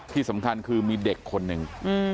ที่สำคัญคือมีเด็กคนหนึ่ง